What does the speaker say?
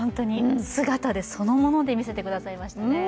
姿でそのもので見せてくださいましたね。